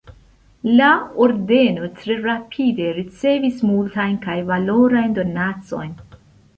La ordeno tre rapide ricevis multajn kaj valorajn donacojn.